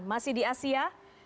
masih di asia